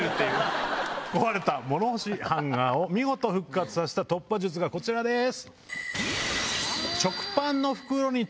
壊れた物干しハンガーを見事復活させた突破術がこちらです！